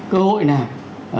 cơ hội nào